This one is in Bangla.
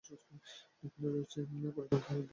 এখানে রয়েছে অনেক পুরাতন খাল এবং বিল।